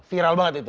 viral banget itu